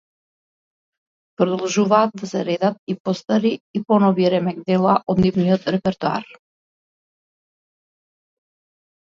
Продолжуваат да се редат и постари и понови ремек дела од нивниот репертоар.